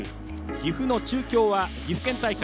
岐阜の中京は岐阜県大会